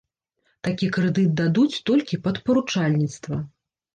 Такі крэдыт дадуць толькі пад паручальніцтва.